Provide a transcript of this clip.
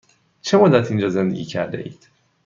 چه مدت اینجا زندگی کرده اید؟